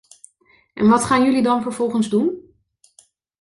En wat gaan jullie dan vervolgens doen?